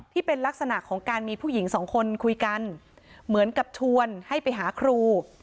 ที่เป็นลักษณะของการมีผู้หญิงสองคนคุยกันเหมือนกับชวนให้ไปหาครู